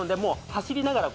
走りながら！？